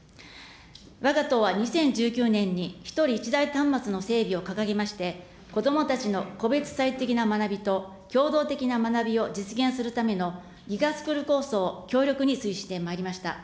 わが党は２０１９年に、１人１台端末の整備を掲げまして、子どもたちの個別主体的な学びと共同的な学びを実現するためのＧＩＧＡスクール構想を強力に推進してまいりました。